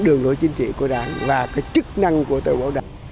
đường lối chính trị của đảng và cái chức năng của tờ báo đảng